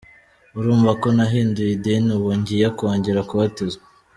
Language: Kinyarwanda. Urumva ko nahinduye idini, ubu ngiye kongera kubatizwa.